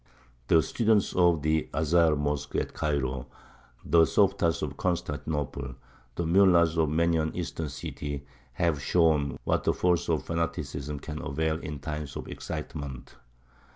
The students of the Azhar mosque at Cairo, the Softas of Constantinople, the Mullas of many an Eastern city, have shown what the force of fanaticism can avail in times of excitement.